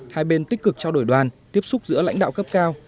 hai bên tích cực trao đổi đoàn tiếp xúc giữa lãnh đạo cấp cao